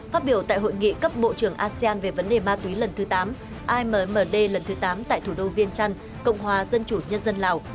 phát biểu tại hội nghị cấp bộ trưởng asean về vấn đề ma túy lần thứ tám ammd lần thứ tám tại thủ đô viên trăn cộng hòa dân chủ nhân dân lào